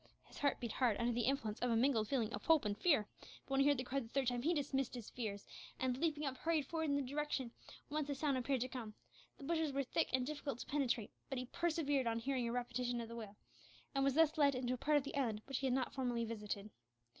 His heart beat hard under the influence of a mingled feeling of hope and fear; but when he heard the cry the third time, he dismissed his fears, and, leaping up, hurried forward in the direction whence the sound appeared to come. The bushes were thick and difficult to penetrate, but he persevered on hearing a repetition of the wail, and was thus led into a part of the island which he had not formerly visited.